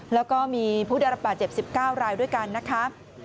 แล้วก็มีผู้ได้รับบาดเจ็บ๑๙รายด้วยกันนะคะ